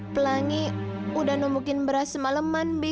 pelangi udah nombokin beras semaleman bi